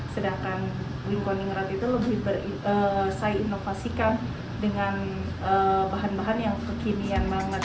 sedangkan wingkoningrat itu lebih saya inovasikan dengan bahan bahan yang kekinian banget